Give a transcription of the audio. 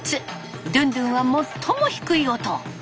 ドゥンドゥンは最も低い音。